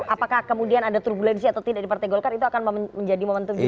apakah kemudian ada turbulensi atau tidak di partai golkar itu akan menjadi momentum juga